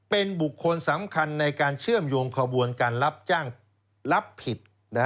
เป็นบุคคลสำคัญในการเชื่อมโยงขบวนการรับจ้างรับผิด